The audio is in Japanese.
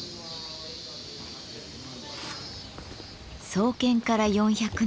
創建から４００年